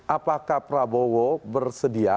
apakah prabowo bersedia